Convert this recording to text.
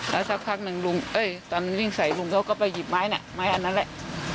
แล้วสักพักหนึ่งลุงเอ้ยตอนวิ่งใส่ลุงเขาก็ไปหยิบไม้น่ะไม้อันนั้นแหละ